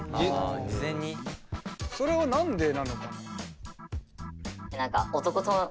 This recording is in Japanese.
それは何でなのかな？